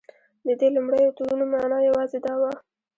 د دې لومړیو تورونو معنی یوازې دا وه.